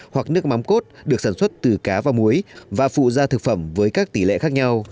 hoặc nước mắm cốt được sản xuất từ cá và muối và phụ ra thực phẩm với các tỷ lệ khác nhau